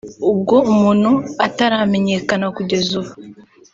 ubwo umuntu utaramenyekana kugeza ubu